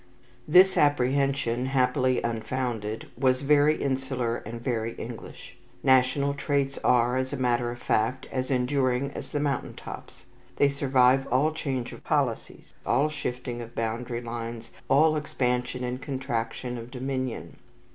This apprehension happily unfounded was very insular and very English. National traits are, as a matter of fact, as enduring as the mountain tops. They survive all change of policies, all shifting of boundary lines, all expansion and contraction of dominion.